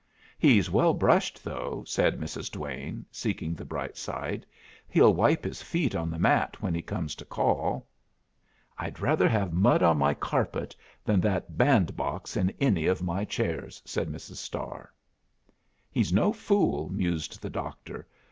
"He's well brushed, though," said Mrs. Duane, seeking the bright side. "He'll wipe his feet on the mat when he comes to call." "I'd rather have mud on my carpet than that bandbox in any of my chairs," said Mrs. Starr. "He's no fool," mused the Doctor.